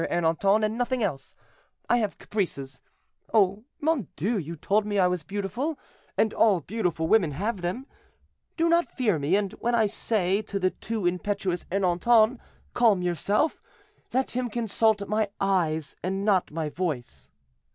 Ernanton, and nothing else. I have caprices. Oh! mon Dieu, you told me I was beautiful, and all beautiful women have them. Do not fear me; and when I say to the too impetuous Ernanton, 'Calm yourself,' let him consult my eyes and not my voice."